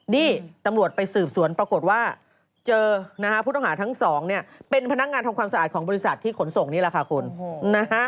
นี่ตำรวจไปสืบสวนปรากฏว่าเจอนะฮะผู้ต้องหาทั้งสองเนี่ยเป็นพนักงานทำความสะอาดของบริษัทที่ขนส่งนี่แหละค่ะคุณนะฮะ